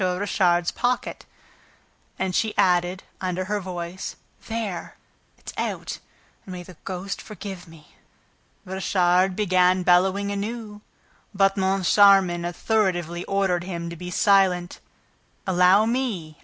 Richard's pocket." And she added, under her voice, "There! It's out! ... And may the ghost forgive me!" Richard began bellowing anew, but Moncharmin authoritatively ordered him to be silent. "Allow me!